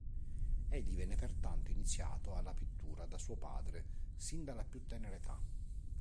Egli venne pertanto iniziato alla pittura da suo padre sin dalla più tenera età.